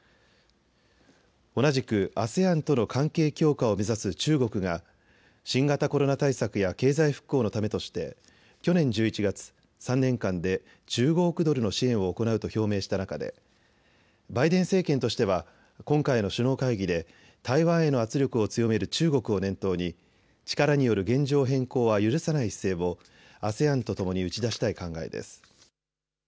同じくＡＳＥＡＮとの関係強化を目指す中国が新型コロナ対策や経済復興のためとして去年１１月３年間で１５億ドルの支援を行うと表明した中でバイデン政権としては今回の首脳会議で台湾への圧力を強める中国を念頭に力による現状変更は許さない姿勢をＡＳＥＡＮとともに打ち出したい考えです。